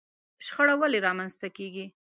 شخړه ولې رامنځته کېږي؟